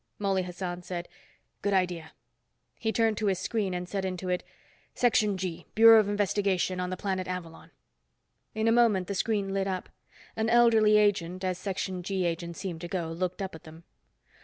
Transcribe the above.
Mouley Hassan said, "Good idea." He turned to his screen and said into it, "Section G, Bureau of Investigation, on the Planet Avalon." In moment the screen lit up. An elderly agent, as Section G agents seemed to go, looked up at them.